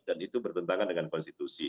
dan itu bertentangan dengan konstitusi